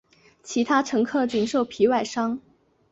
其他乘客仅受皮外伤。